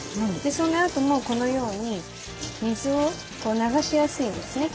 そのあともこのように水を流しやすいですね。